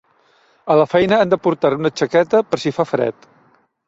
A la feina han de portar una jaqueta per si fa fred.